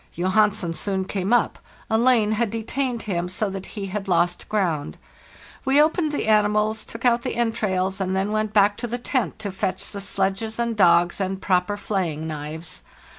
"Johansen soon came up. A lane had detained him, so that he had lost ground. We opened the animals, took out the entrails, and then went back to the tent to fetch the sledges and dogs and proper flaying knives.